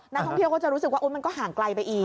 นักท่องเที่ยวก็จะรู้สึกว่ามันก็ห่างไกลไปอีก